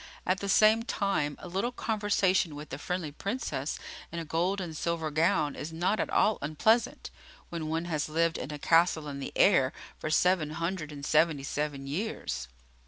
At the same time, a little conversation with a friendly Princess in a gold and silver gown is not at all unpleasant, when one has lived in a castle in the air for seven hundred and seventy seven years.